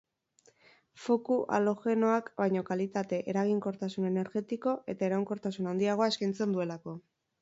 Foku halogenoak baino kalitate, eraginkortasun energetiko eta iraunkortasun handiago eskaintzen duelako.